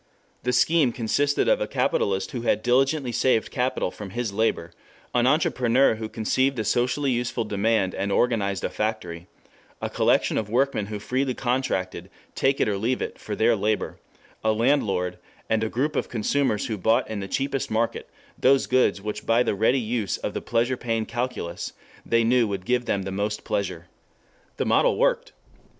The scheme consisted of a capitalist who had diligently saved capital from his labor, an entrepreneur who conceived a socially useful demand and organized a factory, a collection of workmen who freely contracted, take it or leave it, for their labor, a landlord, and a group of consumers who bought in the cheapest market those goods which by the ready use of the pleasure pain calculus they knew would give them the most pleasure. The model worked.